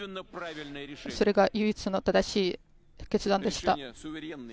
それが唯一の正しい決断でした。